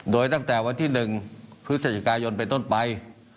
โดยตั้งแต่วันที่๑พฤศจิกายนเป็นต้นไป